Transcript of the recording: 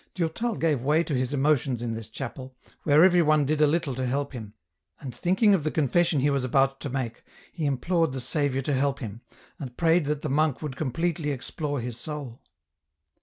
Durtal gave way to his emotions in this chapel, where everyone did a little to help him, and thinking of the confession he was about to make, he implored the Saviour 1 88 EN ROUTE. to help him, and prayed that the monk would completely explore his soul.